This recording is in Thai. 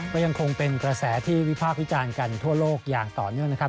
ก็ยังคงเป็นกระแสที่วิพากษ์วิจารณ์กันทั่วโลกอย่างต่อเนื่องนะครับ